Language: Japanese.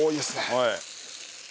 はい。